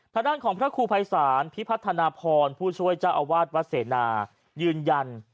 ทางด้านของพระครูภัยศาลพิพัฒนาพรผู้ช่วยเจ้าอาวาสวัดเสนายืนยัน